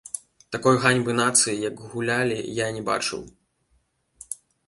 Такой ганьбы нацыі, як гулялі, я не бачыў.